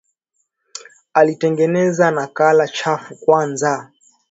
Alitengeneza nakala chafu kwanza